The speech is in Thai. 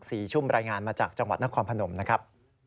ชุ่มรายงานมาจากจังหวัดนครพนมนะครับ